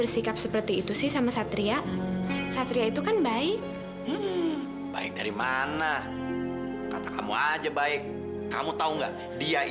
sampai jumpa di video selanjutnya